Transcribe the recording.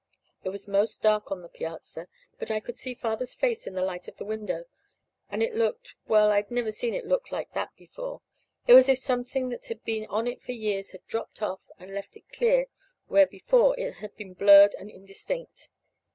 It was 'most dark on the piazza, but I could see Father's face in the light from the window; and it looked well, I'd never seen it look like that before. It was as if something that had been on it for years had dropped off and left it clear where before it had been blurred and indistinct.